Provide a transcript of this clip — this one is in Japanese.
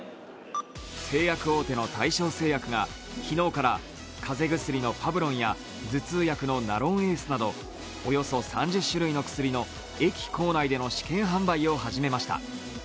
製薬大手の大正製薬が昨日から、風邪薬のパブロンや頭痛薬のナロンエースなどおよそ３０種類の薬の駅構内での試験販売を始めました。